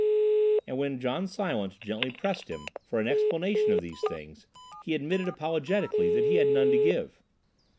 And, when John Silence gently pressed him for an explanation of these things, he admitted apologetically that he had none to give.